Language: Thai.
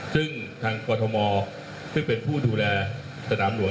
ซึ่งทางกรทมซึ่งเป็นผู้ดูแลสนามหลวง